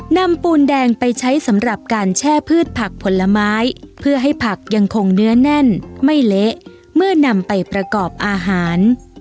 ปูนแดงไปใช้สำหรับการแช่พืชผักผลไม้เพื่อให้ผักยังคงเนื้อแน่นไม่เละเมื่อนำไปประกอบอาหาร